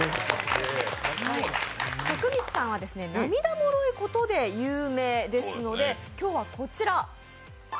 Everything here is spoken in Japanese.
徳光さんは涙もろいことで有名ですので、今日はこちら。